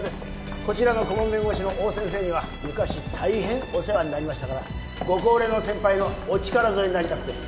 こちらの顧問弁護士の大先生には昔大変お世話になりましたからご高齢の先輩のお力添えになりたくて。